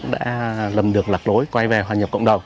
đã lầm được lạc lối quay về hòa nhập cộng đồng